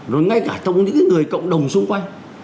rồi ngay cả trong những người cộng đồng xung quanh